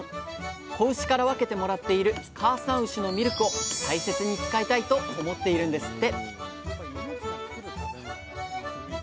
子牛から分けてもらっている「かあさん牛のミルク」を大切に使いたいと思っているんですって！